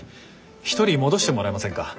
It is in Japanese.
１人戻してもらえませんか？